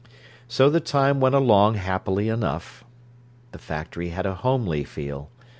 So the time went along happily enough. The factory had a homely feel.